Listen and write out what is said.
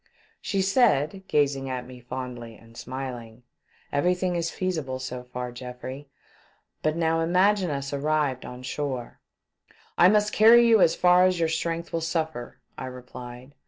She said, gazing at me fondly and smiling : "Everything is feasible so far, Geoffrey. But now imagine us arrived on shore." " I must carry you as far as your strength will suffer," I replied.